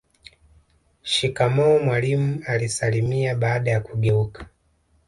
Shikamoo mwalimu alisalimia baada ya kugeuka